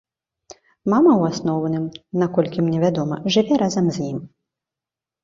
Мама ў асноўным, наколькі мне вядома, жыве разам з ім.